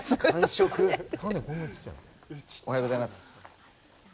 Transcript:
おはようございます。